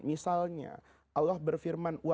misalnya allah berfirman